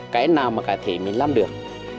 cái nào mà cả thể mình làm được